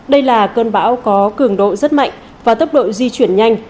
đây là cơn bão có cường độ rất mạnh và tốc độ di chuyển nhanh